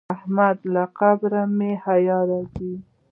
احمد له قبره مې حیا راځي.